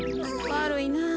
わるいなぁ。